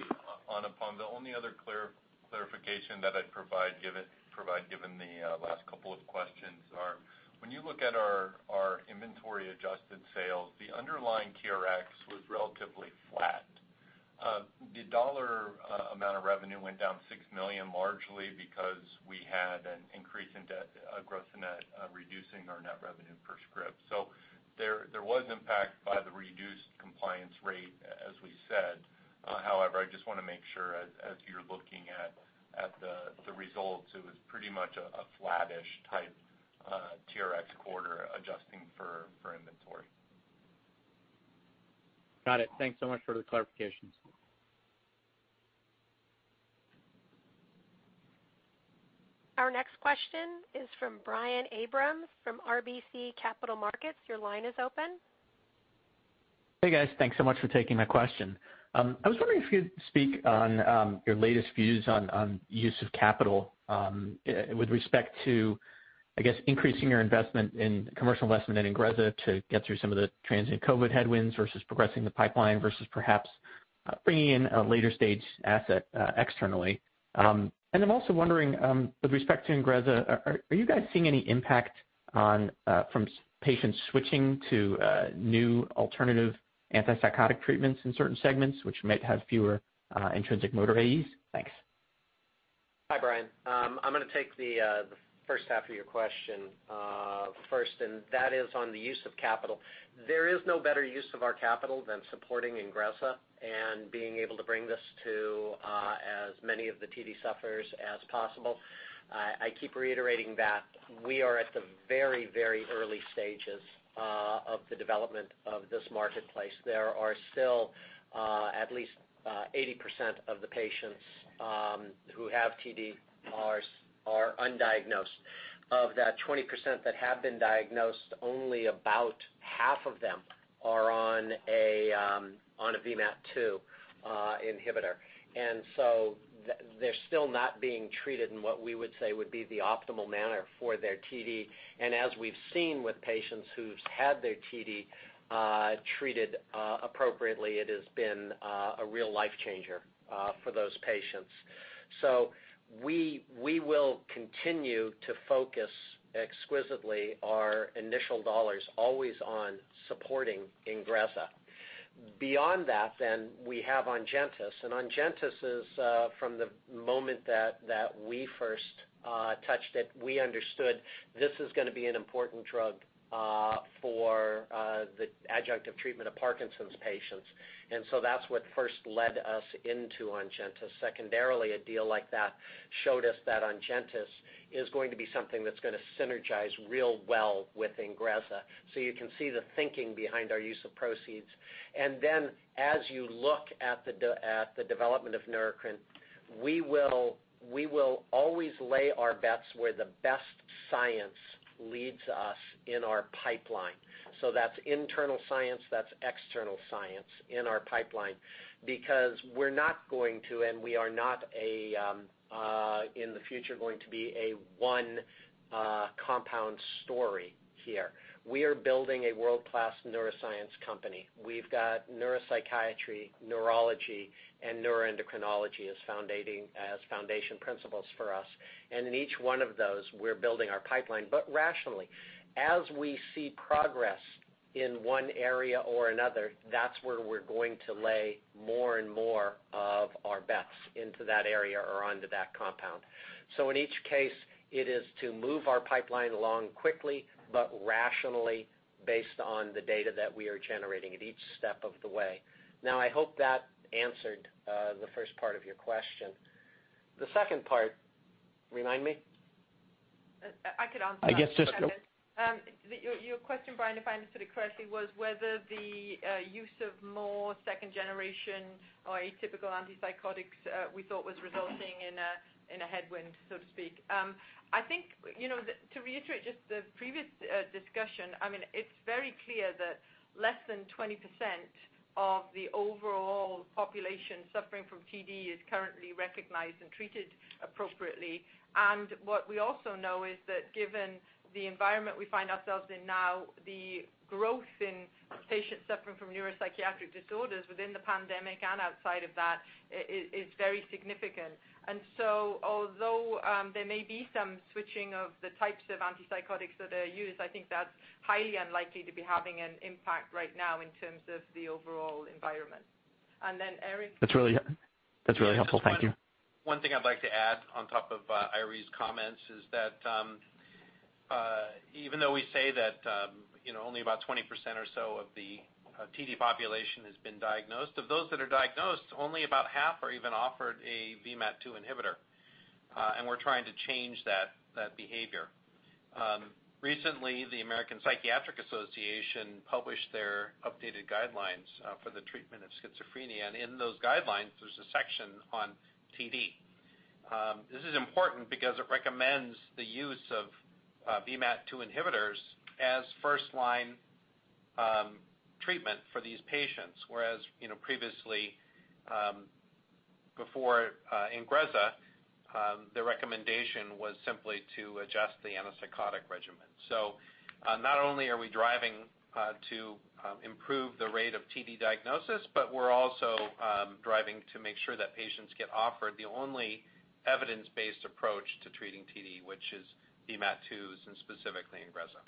Anupam. The only other clarification that I'd provide given the last couple of questions are when you look at our inventory-adjusted sales, the underlying TRx was relatively flat. The dollar amount of revenue went down $6 million, largely because we had an increase in that gross-to-net reducing our net revenue per script. There was impact by the reduced compliance rate, as we said. However, I just want to make sure as you're looking at the results, it was pretty much a flattish type TRx quarter adjusting for inventory. Got it. Thanks so much for the clarifications. Our next question is from Brian Abrahams from RBC Capital Markets. Your line is open. Hey, guys. Thanks so much for taking my question. I was wondering if you'd speak on your latest views on use of capital with respect to, I guess, increasing your investment in commercial investment in INGREZZA to get through some of the transient COVID headwinds versus progressing the pipeline versus perhaps bringing in a later-stage asset externally. I'm also wondering with respect to INGREZZA, are you guys seeing any impact from patients switching to new alternative antipsychotic treatments in certain segments, which might have fewer intrinsic motor AEs? Thanks. Hi, Brian. I'm going to take the first half of your question first, and that is on the use of capital. There is no better use of our capital than supporting INGREZZA and being able to bring this to as many of the TD sufferers as possible. I keep reiterating that we are at the very, very early stages of the development of this marketplace. There are still at least 80% of the patients who have TD are undiagnosed. Of that 20% that have been diagnosed, only about half of them are on a VMAT2 inhibitor. So they're still not being treated in what we would say would be the optimal manner for their TD. As we've seen with patients who've had their TD treated appropriately, it has been a real life changer for those patients. We will continue to focus exquisitely our initial $ always on supporting INGREZZA. We have ONGENTYS is from the moment that we first touched it, we understood this is going to be an important drug for the adjunctive treatment of Parkinson's patients. That's what first led us into ONGENTYS. Secondarily, a deal like that showed us that ONGENTYS is going to be something that's going to synergize real well with INGREZZA. You can see the thinking behind our use of proceeds. As you look at the development of Neurocrine, we will always lay our bets where the best science leads us in our pipeline. That's internal science, that's external science in our pipeline, because we are not in the future going to be a one compound story here. We are building a world-class neuroscience company. We've got neuropsychiatry, neurology, and neuroendocrinology as foundation principles for us. In each one of those, we're building our pipeline, but rationally. As we see progress in one area or another, that's where we're going to lay more and more of our bets into that area or onto that compound. In each case, it is to move our pipeline along quickly but rationally based on the data that we are generating at each step of the way. I hope that answered the first part of your question. The second part, remind me? I could answer that, Kevin. I guess just- Your question, Brian, if I understood it correctly, was whether the use of more second generation or atypical antipsychotics we thought was resulting in a headwind, so to speak. I think, to reiterate just the previous discussion, it's very clear that less than 20% of the overall population suffering from TD is currently recognized and treated appropriately. What we also know is that given the environment we find ourselves in now, the growth in patients suffering from neuropsychiatric disorders within the pandemic and outside of that is very significant. Although there may be some switching of the types of antipsychotics that are used, I think that's highly unlikely to be having an impact right now in terms of the overall environment. Eric? That's really helpful. Thank you. One thing I'd like to add on top of Eiry's comments is that even though we say that only about 20% or so of the TD population has been diagnosed, of those that are diagnosed, only about half are even offered a VMAT2 inhibitor. We're trying to change that behavior. Recently, the American Psychiatric Association published their updated guidelines for the treatment of schizophrenia, and in those guidelines, there's a section on TD. This is important because it recommends the use of VMAT2 inhibitors as first-line treatment for these patients. Whereas previously, before INGREZZA, the recommendation was simply to adjust the antipsychotic regimen. Not only are we driving to improve the rate of TD diagnosis, but we're also driving to make sure that patients get offered the only evidence-based approach to treating TD, which is VMAT2s and specifically INGREZZA.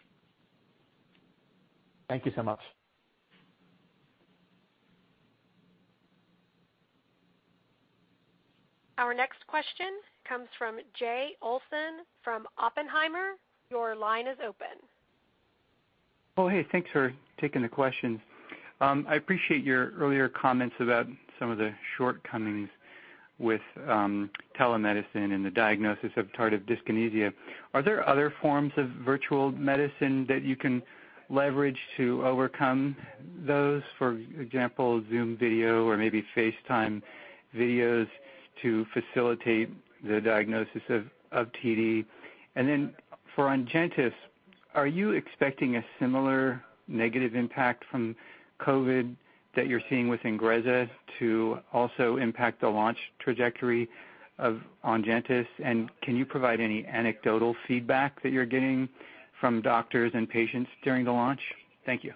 Thank you so much. Our next question comes from Jay Olson from Oppenheimer. Your line is open. Oh, hey, thanks for taking the question. I appreciate your earlier comments about some of the shortcomings with telemedicine in the diagnosis of tardive dyskinesia. Are there other forms of virtual medicine that you can leverage to overcome those? For example, Zoom video or maybe FaceTime videos to facilitate the diagnosis of TD? Then for ONGENTYS, are you expecting a similar negative impact from COVID that you're seeing with INGREZZA to also impact the launch trajectory of ONGENTYS? Can you provide any anecdotal feedback that you're getting from doctors and patients during the launch? Thank you.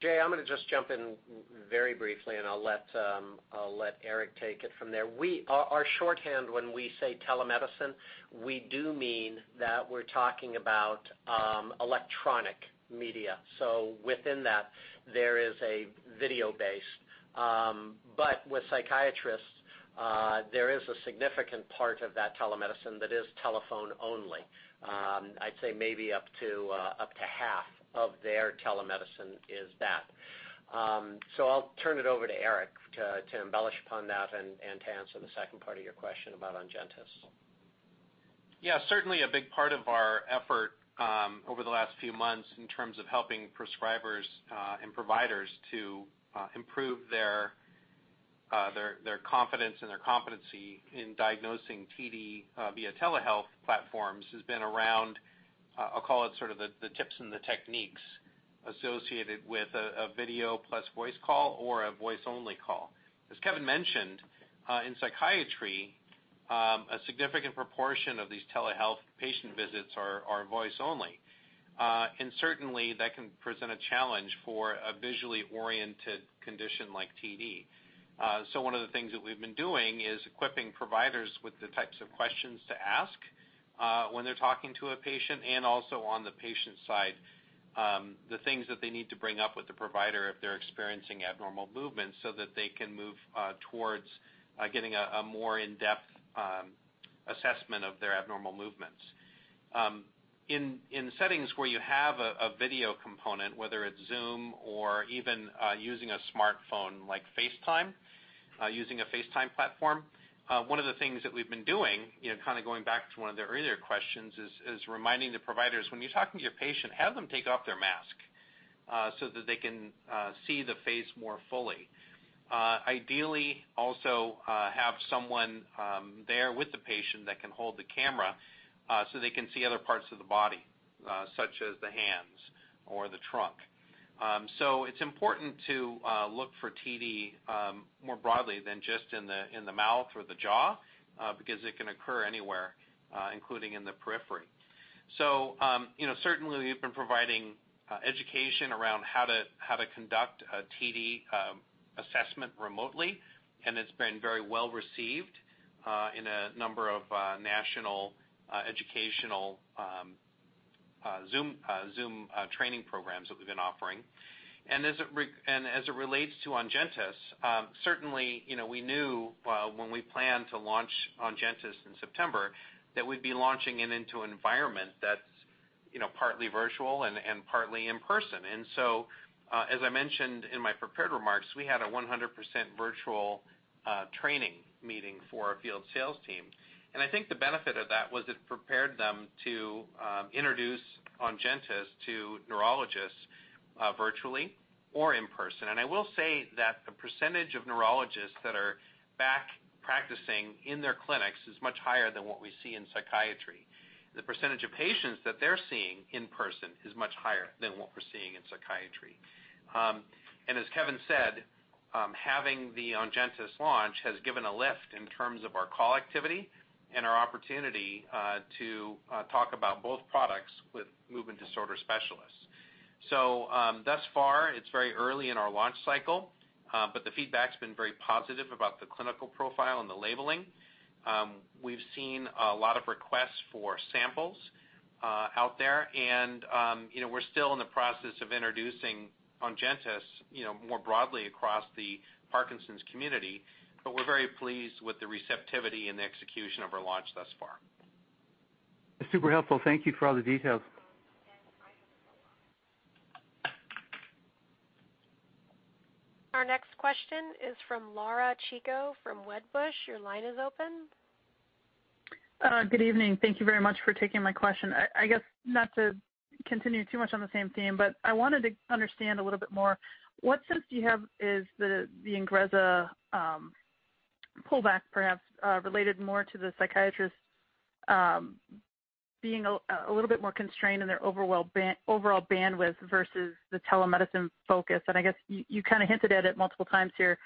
Jay, I'm going to just jump in very briefly, and I'll let Eric take it from there. Our shorthand when we say telemedicine, we do mean that we're talking about electronic media. Within that, there is a video base. With psychiatrists, there is a significant part of that telemedicine that is telephone only. I'd say maybe up to half of their telemedicine is that. I'll turn it over to Eric to embellish upon that and to answer the second part of your question about ONGENTYS. Yeah, certainly a big part of our effort over the last few months in terms of helping prescribers and providers to improve their confidence and their competency in diagnosing TD via telehealth platforms has been around, I'll call it sort of the tips and the techniques associated with a video plus voice call or a voice-only call. As Kevin mentioned, in psychiatry, a significant proportion of these telehealth patient visits are voice only. Certainly that can present a challenge for a visually oriented condition like TD. One of the things that we've been doing is equipping providers with the types of questions to ask when they're talking to a patient, and also on the patient side, the things that they need to bring up with the provider if they're experiencing abnormal movements so that they can move towards getting a more in-depth assessment of their abnormal movements. In settings where you have a video component, whether it's Zoom or even using a smartphone like FaceTime, using a FaceTime platform, one of the things that we've been doing, kind of going back to one of the earlier questions, is reminding the providers, when you're talking to your patient, have them take off their mask so that they can see the face more fully. Ideally, also have someone there with the patient that can hold the camera so they can see other parts of the body, such as the hands or the trunk. It's important to look for TD more broadly than just in the mouth or the jaw because it can occur anywhere, including in the periphery. Certainly we've been providing education around how to conduct a TD assessment remotely, and it's been very well-received in a number of national educational Zoom training programs that we've been offering. As it relates to ONGENTYS, certainly we knew when we planned to launch ONGENTYS in September that partly virtual and partly in-person. As I mentioned in my prepared remarks, we had a 100% virtual training meeting for our field sales team. I think the benefit of that was it prepared them to introduce ONGENTYS to neurologists virtually or in-person. I will say that the percentage of neurologists that are back practicing in their clinics is much higher than what we see in psychiatry. The percentage of patients that they're seeing in-person is much higher than what we're seeing in psychiatry. As Kevin said, having the ONGENTYS launch has given a lift in terms of our call activity and our opportunity to talk about both products with movement disorder specialists. Thus far, it's very early in our launch cycle, but the feedback's been very positive about the clinical profile and the labeling. We've seen a lot of requests for samples out there, and we're still in the process of introducing ONGENTYS more broadly across the Parkinson's community. We're very pleased with the receptivity and the execution of our launch thus far. That's super helpful. Thank you for all the details. Our next question is from Laura Chico from Wedbush. Your line is open. Good evening. Thank you very much for taking my question. I guess not to continue too much on the same theme, I wanted to understand a little bit more. What sense do you have is the INGREZZA pullback perhaps related more to the psychiatrist being a little bit more constrained in their overall bandwidth versus the telemedicine focus? I guess you kind of hinted at it multiple times here,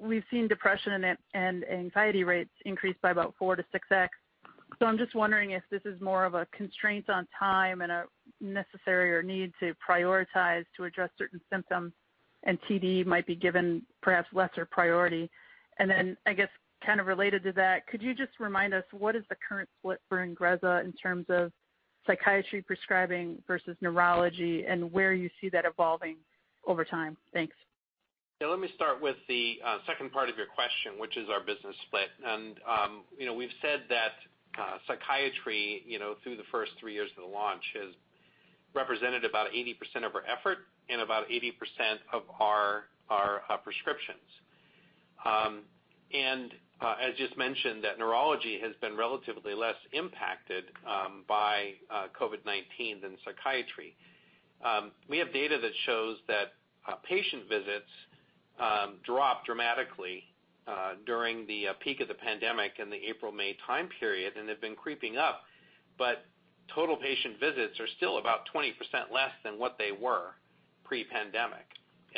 we've seen depression and anxiety rates increase by about 4x-6x. I'm just wondering if this is more of a constraint on time and a necessary or need to prioritize to address certain symptoms, TD might be given perhaps lesser priority. Then, I guess kind of related to that, could you just remind us what is the current split for INGREZZA in terms of psychiatry prescribing versus neurology, and where you see that evolving over time? Thanks. Yeah, let me start with the second part of your question, which is our business split. We've said that psychiatry through the first three years of the launch has represented about 80% of our effort and about 80% of our prescriptions. As just mentioned, neurology has been relatively less impacted by COVID-19 than psychiatry. We have data that shows that patient visits dropped dramatically during the peak of the pandemic in the April-May time period, and they've been creeping up. Total patient visits are still about 20% less than what they were pre-pandemic.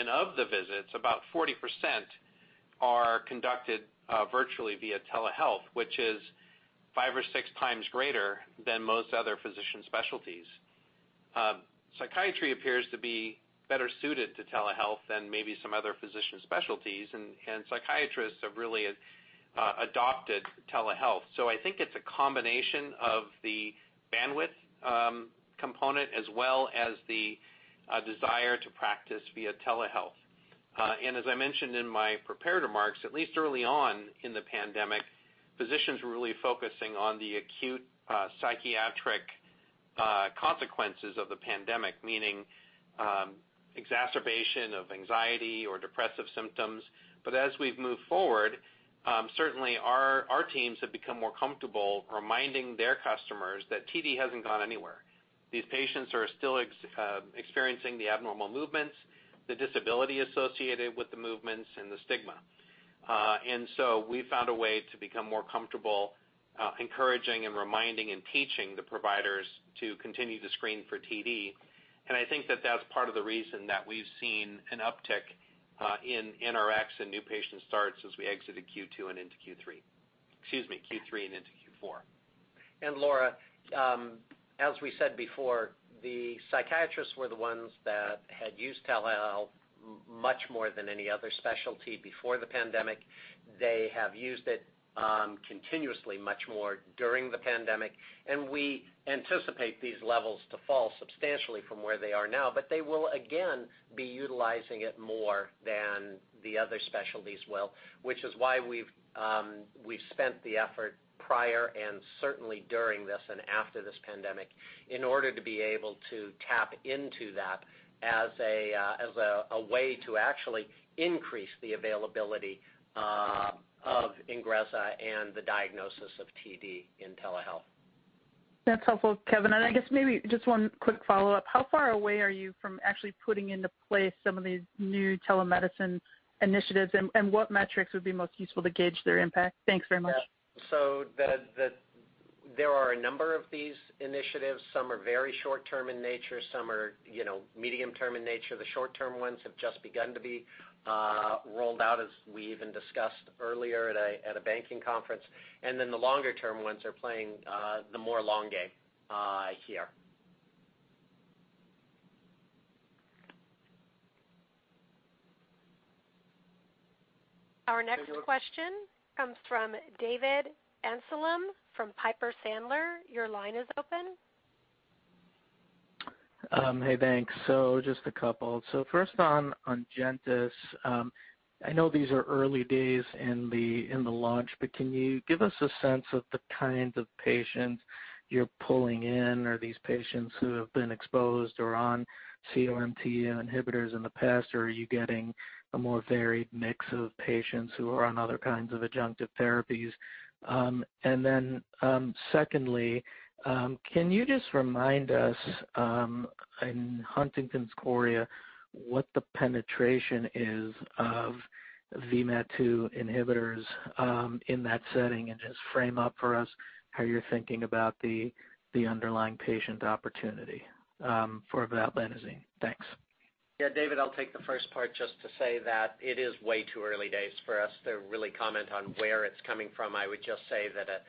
Of the visits, about 40% are conducted virtually via telehealth, which is five or six times greater than most other physician specialties. Psychiatry appears to be better suited to telehealth than maybe some other physician specialties, and psychiatrists have really adopted telehealth. I think it's a combination of the bandwidth component as well as the desire to practice via telehealth. As I mentioned in my prepared remarks, at least early on in the pandemic, physicians were really focusing on the acute psychiatric consequences of the pandemic, meaning exacerbation of anxiety or depressive symptoms. As we've moved forward, certainly our teams have become more comfortable reminding their customers that TD hasn't gone anywhere. These patients are still experiencing the abnormal movements, the disability associated with the movements, and the stigma. We found a way to become more comfortable encouraging and reminding, and teaching the providers to continue to screen for TD. I think that that's part of the reason that we've seen an uptick in NRX and new patient starts as we exit at Q2 and into Q3. Excuse me, Q3 and into Q4. Laura, as we said before, the psychiatrists were the ones that had used telehealth much more than any other specialty before the pandemic. They have used it continuously much more during the pandemic, and we anticipate these levels to fall substantially from where they are now. They will again be utilizing it more than the other specialties will, which is why we've spent the effort prior and certainly during this and after this pandemic in order to be able to tap into that as a way to actually increase the availability of INGREZZA and the diagnosis of TD in telehealth. That's helpful, Kevin. I guess maybe just one quick follow-up. How far away are you from actually putting into place some of these new telemedicine initiatives, and what metrics would be most useful to gauge their impact? Thanks very much. Yeah. There are a number of these initiatives. Some are very short-term in nature, some are medium-term in nature. The short-term ones have just begun to be rolled out as we even discussed earlier at a banking conference. The longer-term ones are playing the more long game here. Our next question comes from David Amsellem from Piper Sandler. Your line is open. Hey, thanks. Just a couple. First on, ONGENTYS. I know these are early days in the launch, but can you give us a sense of the kind of patients you're pulling in? Are these patients who have been exposed or on COMT inhibitors in the past, or are you getting a more varied mix of patients who are on other kinds of adjunctive therapies? Secondly, can you just remind us, in Huntington's chorea, what the penetration is of VMAT2 inhibitors in that setting and just frame up for us how you're thinking about the underlying patient opportunity for valbenazine? Thanks. Yeah, David, I'll take the first part just to say that it is way too early days for us to really comment on where it's coming from. I would just say that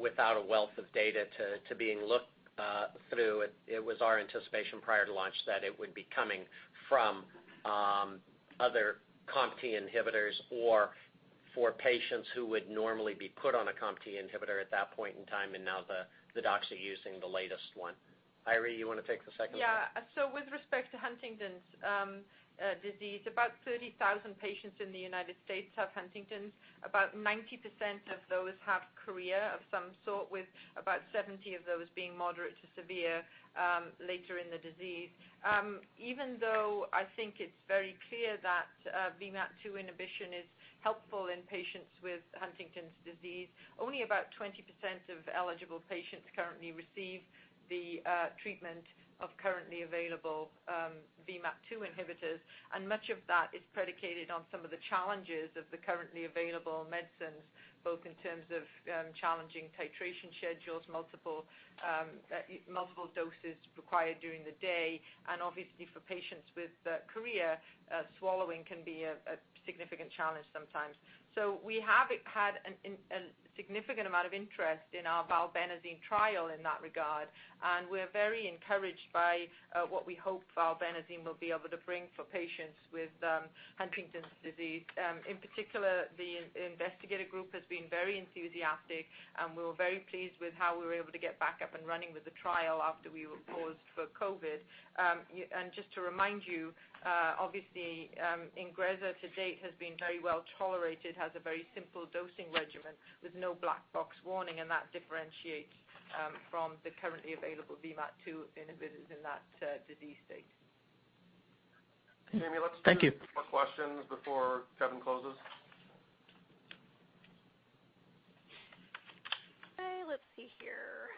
without a wealth of data to being looked through, it was our anticipation prior to launch that it would be coming from other COMT inhibitors or for patients who would normally be put on a COMT inhibitor at that point in time, and now the docs are using the latest one. Eiry, you want to take the second part? With respect to Huntington's disease, about 30,000 patients in the United States have Huntington's. About 90% of those have chorea of some sort, with about 70 of those being moderate to severe later in the disease. Even though I think it's very clear that VMAT2 inhibition is helpful in patients with Huntington's disease, only about 20% of eligible patients currently receive the treatment of currently available VMAT2 inhibitors, and much of that is predicated on some of the challenges of the currently available medicines, both in terms of challenging titration schedules, multiple doses required during the day, and obviously for patients with chorea, swallowing can be a significant challenge sometimes. We have had a significant amount of interest in our valbenazine trial in that regard, and we're very encouraged by what we hope valbenazine will be able to bring for patients with Huntington's disease. In particular, the investigative group has been very enthusiastic, and we were very pleased with how we were able to get back up and running with the trial after we were paused for COVID. Just to remind you, obviously, INGREZZA to date has been very well-tolerated, has a very simple dosing regimen with no black box warning, and that differentiates from the currently available VMAT2 inhibitors in that disease state. Thank you. Jamie, let's take more questions before Kevin closes. Okay, let's see here.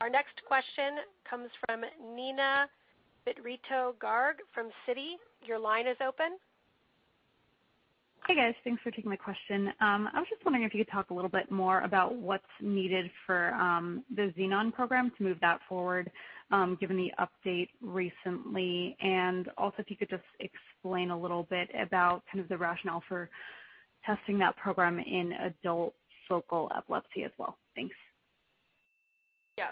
Our next question comes from Neena Bitritto-Garg from Citi. Your line is open. Hi, guys. Thanks for taking my question. I was just wondering if you could talk a little bit more about what's needed for the Xenon program to move that forward given the update recently, and also if you could just explain a little bit about the rationale for testing that program in adult focal epilepsy as well. Thanks. Yeah.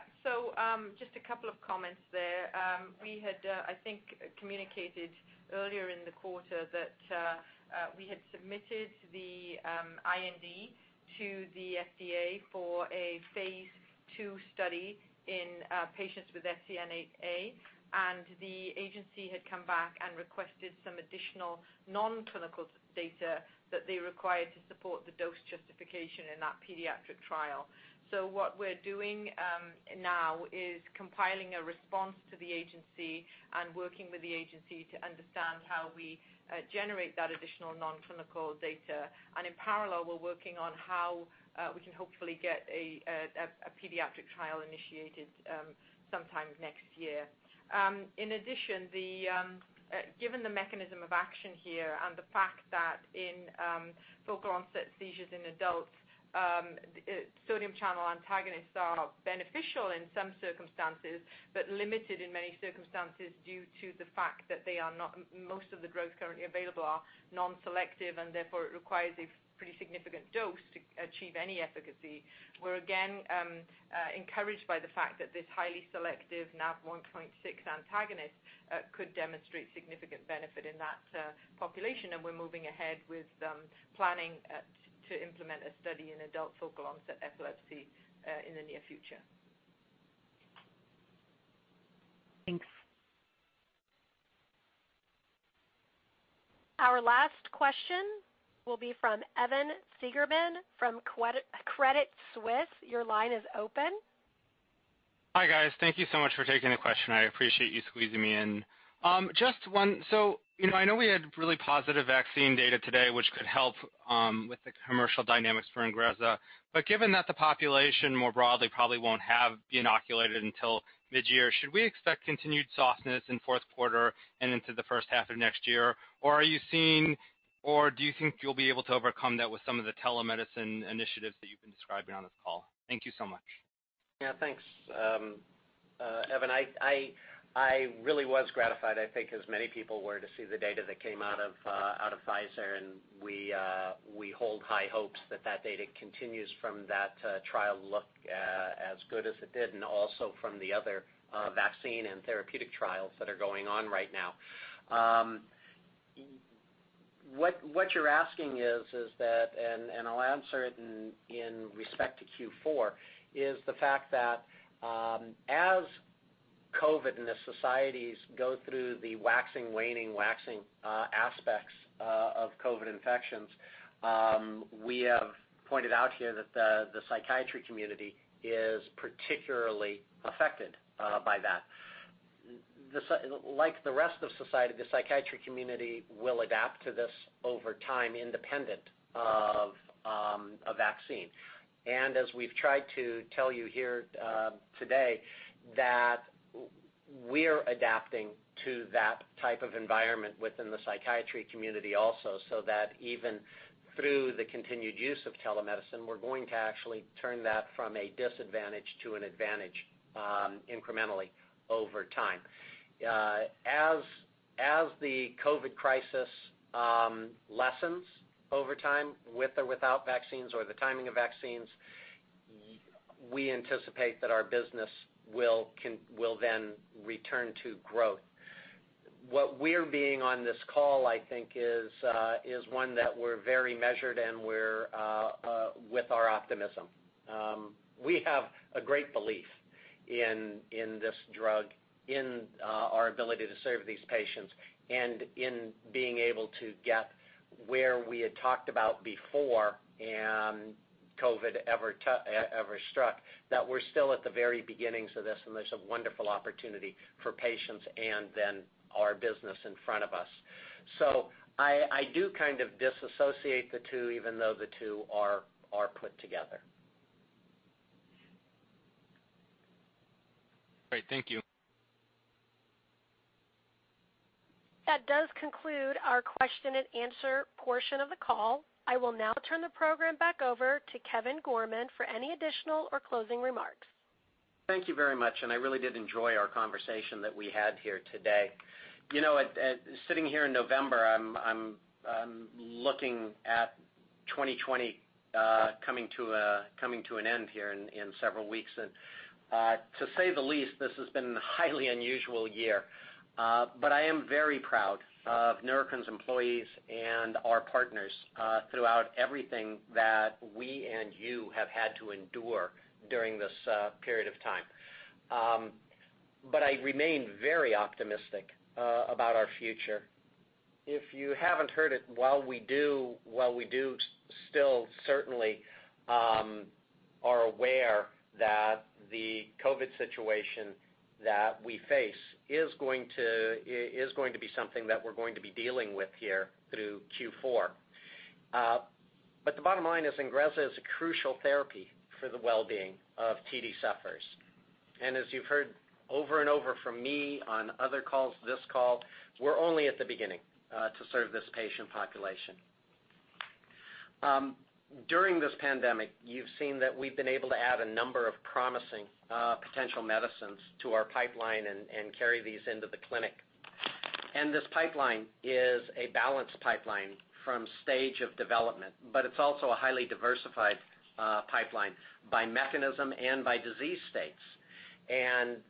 Just a couple of comments there. We had, I think, communicated earlier in the quarter that we had submitted the IND to the FDA for a phase II study in patients with SCN8A, and the agency had come back and requested some additional non-clinical data that they required to support the dose justification in that pediatric trial. What we're doing now is compiling a response to the agency and working with the agency to understand how we generate that additional non-clinical data. In parallel, we're working on how we can hopefully get a pediatric trial initiated sometime next year. Given the mechanism of action here and the fact that in focal onset seizures in adults, sodium channel antagonists are beneficial in some circumstances, but limited in many circumstances due to the fact that most of the drugs currently available are non-selective and therefore it requires a pretty significant dose to achieve any efficacy. We're again encouraged by the fact that this highly selective Nav1.6 antagonist could demonstrate significant benefit in that population, and we're moving ahead with planning to implement a study in adult focal onset epilepsy in the near future. Thanks. Our last question will be from Evan Seigerman from Credit Suisse. Your line is open. Hi, guys. Thank you so much for taking the question. I appreciate you squeezing me in. I know we had really positive vaccine data today, which could help with the commercial dynamics for INGREZZA. Given that the population more broadly probably won't have inoculated until mid-year, should we expect continued softness in fourth quarter and into the first half of next year? Do you think you'll be able to overcome that with some of the telemedicine initiatives that you've been describing on this call? Thank you so much. Yeah, thanks. Evan, I really was gratified, I think, as many people were to see the data that came out of Pfizer, and we hold high hopes that that data continues from that trial look as good as it did, and also from the other vaccine and therapeutic trials that are going on right now. What you're asking is that, and I'll answer it in respect to Q4, is the fact that as COVID and the societies go through the waxing, waning, waxing aspects of COVID infections, we have pointed out here that the psychiatry community is particularly affected by that. Like the rest of society, the psychiatry community will adapt to this over time independent of a vaccine. As we've tried to tell you here today, that we're adapting to that type of environment within the psychiatry community also, so that even through the continued use of telemedicine, we're going to actually turn that from a disadvantage to an advantage incrementally over time. As the COVID crisis lessens over time, with or without vaccines or the timing of vaccines, we anticipate that our business will then return to growth. What we're being on this call, I think is one that we're very measured and we're with our optimism. We have a great belief in this drug, in our ability to serve these patients, and in being able to get where we had talked about before COVID ever struck, that we're still at the very beginnings of this, and there's a wonderful opportunity for patients and then our business in front of us. I do kind of disassociate the two, even though the two are put together. Great. Thank you. That does conclude our question and answer portion of the call. I will now turn the program back over to Kevin Gorman for any additional or closing remarks. Thank you very much. I really did enjoy our conversation that we had here today. Sitting here in November, I'm looking at 2020 coming to an end here in several weeks. To say the least, this has been a highly unusual year. I am very proud of Neurocrine's employees and our partners throughout everything that we and you have had to endure during this period of time. I remain very optimistic about our future. If you haven't heard it, while we do still certainly are aware that the COVID situation that we face is going to be something that we're going to be dealing with here through Q4. The bottom line is, INGREZZA is a crucial therapy for the well-being of TD sufferers. As you've heard over and over from me on other calls, this call, we're only at the beginning to serve this patient population. During this pandemic, you've seen that we've been able to add a number of promising potential medicines to our pipeline and carry these into the clinic. This pipeline is a balanced pipeline from stage of development, but it's also a highly diversified pipeline by mechanism and by disease states.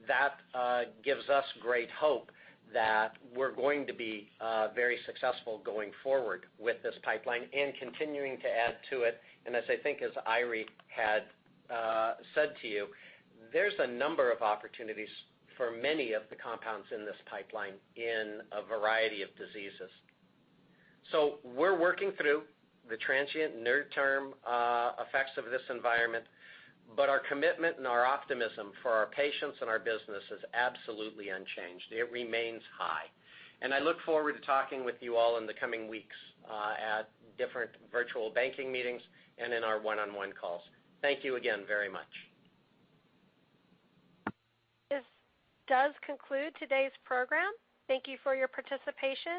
That gives us great hope that we're going to be very successful going forward with this pipeline and continuing to add to it. As I think as Eiry had said to you, there's a number of opportunities for many of the compounds in this pipeline in a variety of diseases. We're working through the transient near-term effects of this environment, but our commitment and our optimism for our patients and our business is absolutely unchanged. It remains high. I look forward to talking with you all in the coming weeks at different virtual banking meetings and in our one-on-one calls. Thank you again very much. This does conclude today's program. Thank you for your participation.